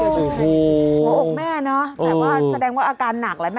โอ้โหโอ้โหโอ้โหแม่เนอะแต่ว่าแสดงว่าอาการหนักเลย